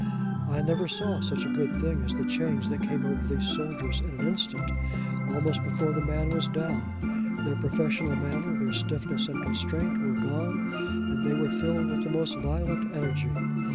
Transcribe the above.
I never saw such a good thing as the change that came over these soldiers in an instant. Almost before the man was down, their professional manner, their stiffness and constraint, were gone, and they were filled with the most violent energy.